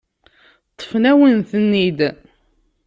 Ṭṭfen-awen-ten-id.